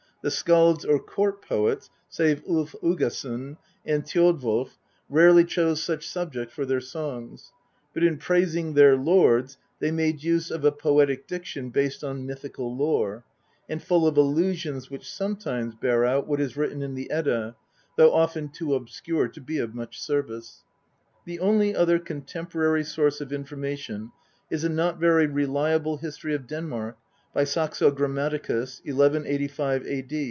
The skalds or court poets, save Ulf Uggason and Thiodwolf, rarely chose such subjects for their songs, but in praising their lords they made use of a poetic diction based on mythical lore, and full of allusions which sometimes bear out what is written in the Edda, though often too obscure to be of much service. The only other contemporary source of information is a not very reliable history of Denmark by Saxo Grammaticus (1185 A.